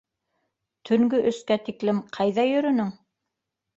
Төнгө өскә тиклем ҡайҙа йөрөнөң?